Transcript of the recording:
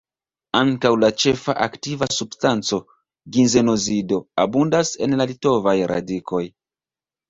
Ankaŭ la ĉefa aktiva substanco, ginzenozido, abundas en la litovaj radikoj.